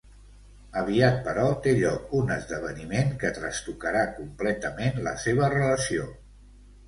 Aviat però, té lloc un esdeveniment que trastocarà completament la seva relació.